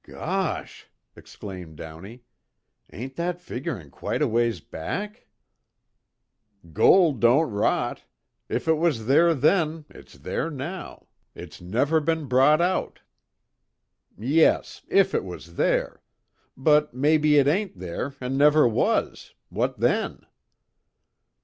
"Gosh!" exclaimed Downey. "Ain't that figurin' quite a ways back?" "Gold don't rot. If it was there then, it's there now. It's never been brought out." "Yes if it was there. But, maybe it ain't there an' never was what then?"